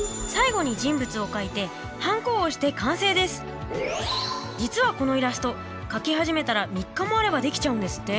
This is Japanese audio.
最後に実はこのイラスト描き始めたら３日もあればできちゃうんですって。